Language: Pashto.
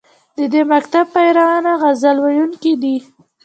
د دې مکتب پیروان غزل ویونکي دي